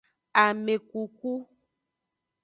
Amekuku.